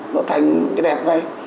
nó thành cái đẹp này